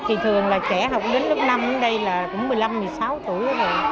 thì thường là trẻ học đến lớp năm ở đây là một mươi năm một mươi sáu tuổi